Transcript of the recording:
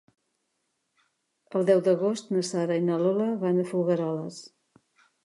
El deu d'agost na Sara i na Lola van a Folgueroles.